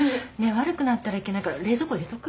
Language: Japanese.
悪くなったらいけないから冷蔵庫入れとく？